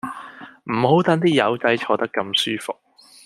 唔好等啲友仔坐得咁舒服